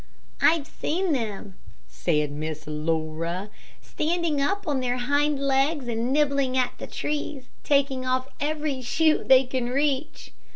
"I've seen them," said Miss Laura, "standing up on their hind legs and nibbling at the trees, taking off every shoot they can reach."